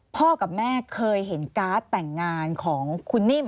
พ่อกับแม่เคยเห็นการ์ดแต่งงานของคุณนิ่ม